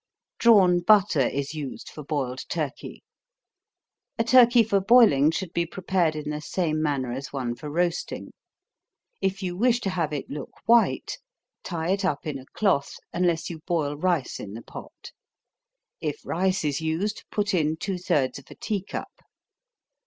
Drawn butter is used for boiled turkey. A turkey for boiling should be prepared in the same manner as one for roasting. If you wish to have it look white, tie it up in a cloth, unless you boil rice in the pot. If rice is used, put in two thirds of a tea cup.